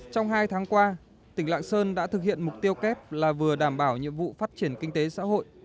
trong hai tháng qua tỉnh lạng sơn đã thực hiện mục tiêu kép là vừa đảm bảo nhiệm vụ phát triển kinh tế xã hội